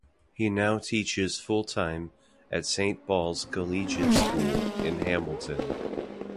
He now teaches full-time at Saint Paul's Collegiate school in Hamilton.